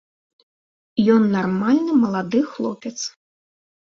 Ён нармальны малады хлопец.